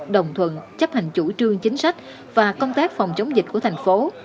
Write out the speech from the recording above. đồng thuận chấp hành chủ trương chính sách và công tác phòng chống dịch của thành phố